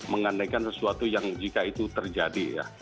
mengandaikan sesuatu yang jika itu terjadi ya